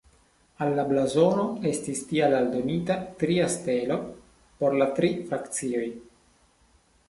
Al la blazono estis tial aldonita tria stelo por la tri frakcioj.